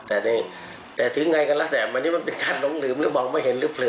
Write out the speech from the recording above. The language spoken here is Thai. แต่นี่แต่ถึงไงกันล่ะแต่วันนี้มันเป็นการลงหลืมหรือมองไม่เห็นหรือเผลอ